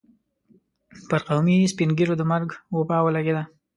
پر قومي سپين ږيرو د مرګ وبا ولګېدله.